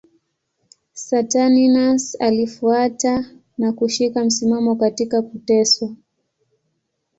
Saturninus alifuata na kushika msimamo katika kuteswa.